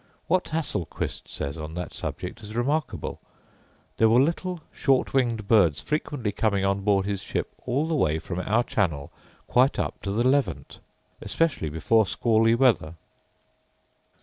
What Hasselquist says on that subject is remarkable: there were little short winged birds frequently coming on board his ship all the way from our channel quite up to the Levant, especially before squally weather.